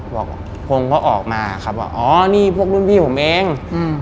บอกพงก็ออกมาครับว่าอ๋อนี่พวกรุ่นพี่ผมเองอืม